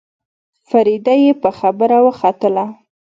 فريده يې په خبره وختله.